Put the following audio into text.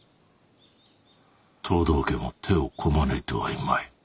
藤堂家も手をこまねいてはいまい。